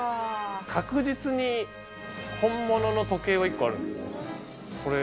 確実に本物の時計が１個あるんですけど。